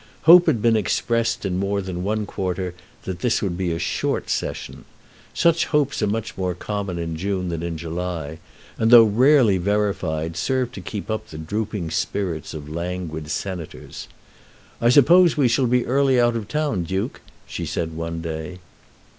Hope had been expressed in more than one quarter that this would be a short Session. Such hopes are much more common in June than in July, and, though rarely verified, serve to keep up the drooping spirits of languid senators. "I suppose we shall be early out of town, Duke," she said one day.